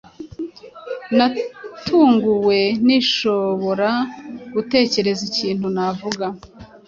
Natunguwe, sinshobora gutekereza ikintu navuga.